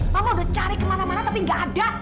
kamu udah cari kemana mana tapi gak ada